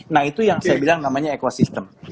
nah itu yang saya bilang namanya ekosistem